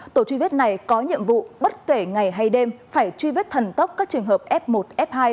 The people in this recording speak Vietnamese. tổ truy vết này có nhiệm vụ bất kể ngày hay đêm phải truy vết thần tốc các trường hợp f một f hai